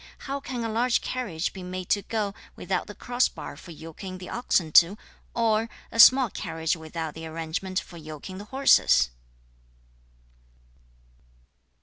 How can a large carriage be made to go without the cross bar for yoking the oxen to, or a small carriage without the arrangement for yoking the horses?'